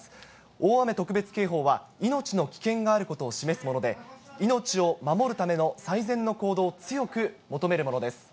大雨特別警報は命を危険があることを示すもので、命を守るための最善の行動を強く求めるものです。